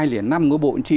của bộ anh chị